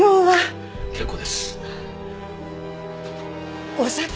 はい。